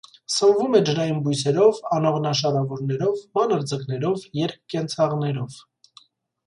Սնվում է ջրային բույսերով, անողնաշարավորներով, մանր ձկներով, երկկենցաղներով։